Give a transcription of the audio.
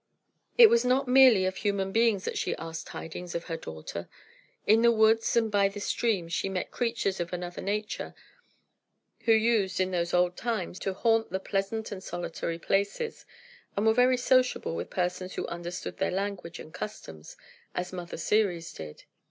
It was not merely of human beings that she asked tidings of her daughter. In the woods and by the streams she met creatures of another nature, who used, in those old times, to haunt the pleasant and solitary places, and were very sociable with persons who understood their language and customs, as Mother Ceres did.